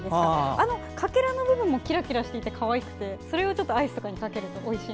あのかけらの部分もキラキラしていてかわいくてそれをアイスとかにかけるとおいしい。